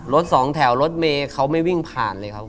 รถสองแถวรถเมย์เขาไม่วิ่งผ่านเลยครับ